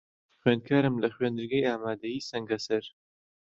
خوێندکارم لە خوێندنگەی ئامادەیی سەنگەسەر.